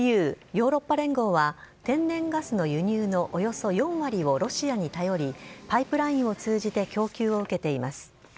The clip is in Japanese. ＥＵ・ヨーロッパ連合は、天然ガスの輸入のおよそ４割をロシアに頼り、パイプラインを通じて供給を受けています。